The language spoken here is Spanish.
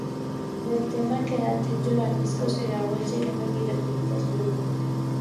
Del tema que da título al disco se grabó el segundo videoclip del grupo.